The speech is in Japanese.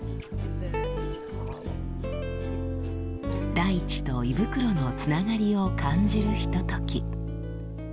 大地と胃袋のつながりを感じるひととき。